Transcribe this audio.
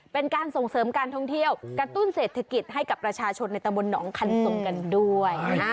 เป็นการส่งเสริมการท่องเที่ยวกระตุ้นเศรษฐกิจให้กับประชาชนในตะบนหนองคันส่งกันด้วย